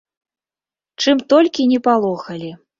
Чым толькі ні палохалі.